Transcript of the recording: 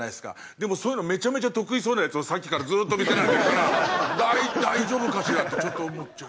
でもそういうのめちゃめちゃ得意そうなヤツをさっきからずっと見せられてるから大丈夫かしら？ってちょっと思っちゃう。